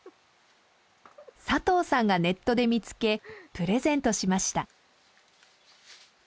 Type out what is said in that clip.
佐藤さんがネットで見つけプレゼントしました。